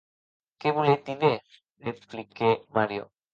Qué voletz díder?, repliquèc Mario.